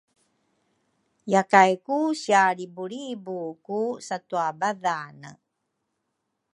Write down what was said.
yakay ku sialribulribu ku satwabadhane